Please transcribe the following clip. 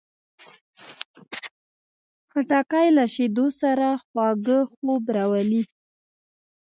خټکی له شیدو سره خواږه خوب راولي.